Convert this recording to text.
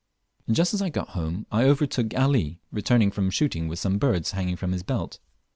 Just as I got home I overtook Ali returning from shooting with some birch hanging from his belt.